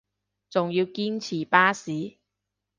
仲要堅持巴士